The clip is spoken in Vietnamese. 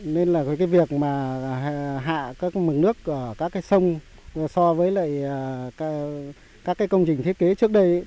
nên việc hạ mực nước các sông so với các công trình thiết kế trước đây